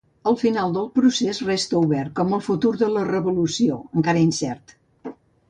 El final del procés resta obert, com el futur de la revolució, encara incert.